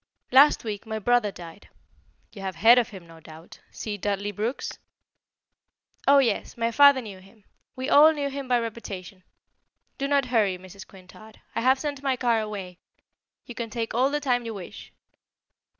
Last week my brother died. You have heard of him no doubt, C. Dudley Brooks?" "Oh, yes; my father knew him we all knew him by reputation. Do not hurry, Mrs. Quintard. I have sent my car away. You can take all the time you wish."